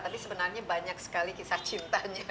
tapi sebenarnya banyak sekali kisah cintanya